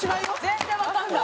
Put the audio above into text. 全然わからない。